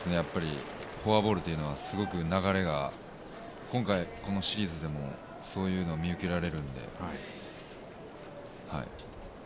フォアボールはすごく流れが、今回このシリーズでもそういうのが見受けられるんで。